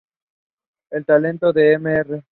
El talento de Mr.